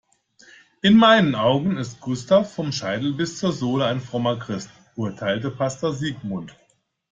In meinen Augen ist Gustav vom Scheitel bis zur Sohle ein frommer Christ, urteilte Pastor Sigmund.